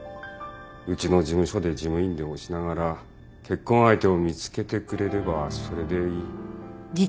うちの事務所で事務員でもしながら結婚相手を見つけてくれればそれでいい。